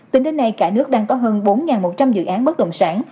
tính đến nay cả nước đang có hơn bốn một trăm linh dự án bất động sản